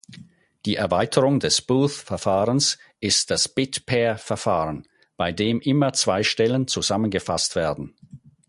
Die Erweiterung des Booth-Verfahrens ist das Bit-Pair-Verfahren, bei dem immer zwei Stellen zusammengefasst werden.